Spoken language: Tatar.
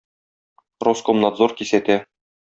Роскомнадзор кисәтә!